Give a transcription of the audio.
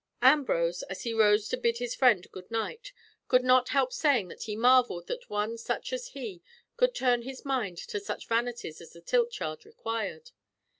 Ambrose, as he rose to bid his friend good night, could not help saying that he marvelled that one such as he could turn his mind to such vanities as the tilt yard required.